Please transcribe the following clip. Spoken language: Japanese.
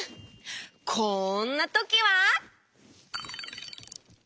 こんなときは！